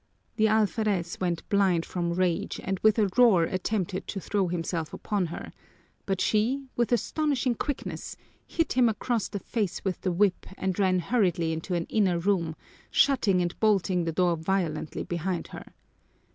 The alferez went blind from rage and with a roar attempted to throw himself upon her, but she, with astonishing quickness, hit him across the face with the whip and ran hurriedly into an inner room, shutting and bolting the door violently behind her.